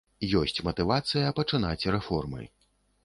Ёсць матывацыя пачынаць рэформы.